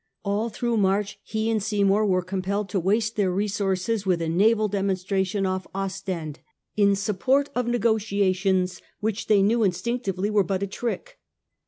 All through March he and Seymour were compelled to waste their resources with a naval demonstration off Ostend, in support of negotiations which they knew instinctively were but a trick.